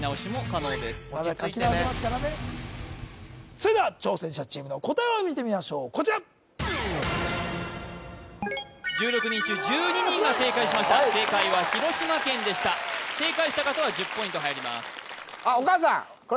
それでは挑戦者チームの答えを見てみましょうこちら１６人中１２人が正解しました正解は広島県でした正解した方は１０ポイント入ります